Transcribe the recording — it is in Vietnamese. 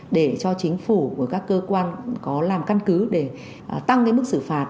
để cho chính phủ của các cơ quan có làm căn cứ để tăng cái mức sử phạt